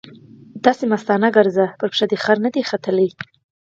چې داسې مستانه ګرځې؛ پر پښه دې خر نه دی ختلی.